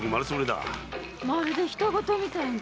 まるで他人事みたいに。